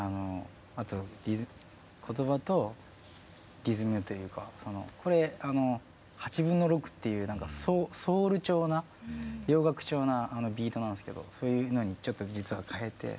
あと言葉とリズムっていうかこれ８分の６っていうソウル調な洋楽調なビートなんですけどそういうのにちょっと実は変えて。